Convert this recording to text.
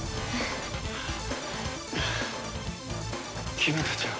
君たちは！